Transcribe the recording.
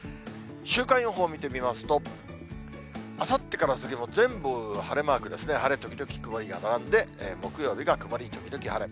週間予報見てみますと、あさってから先も、全部晴れマークですね、晴れ時々曇りが並んで、木曜日が曇り時々晴れ。